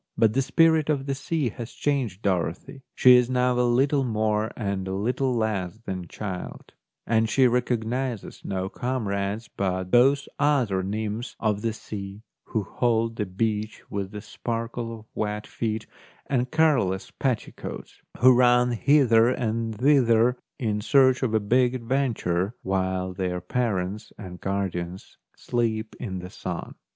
But the spirit of the sea has changed Dorothy ; she is now a little more and a little less than child ; and she recognises no comrades but those other nymphs of the sea, who hold the beach with the sparkle of wet feet and careless petticoats, who run hither and thither in search of the big adventure, while their parents and guardians sleep in the sun.